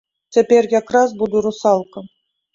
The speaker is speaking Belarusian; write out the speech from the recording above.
Цяпер якраз буду русалка.